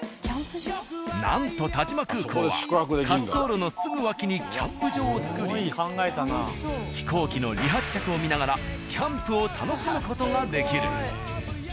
なんと但馬空港は滑走路のすぐ脇にキャンプ場を作り飛行機の離発着を見ながらキャンプを楽しむ事ができる。